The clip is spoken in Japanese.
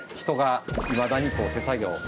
人がいまだにこう手作業。